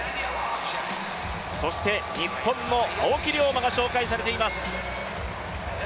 そして日本の青木涼真が紹介されています。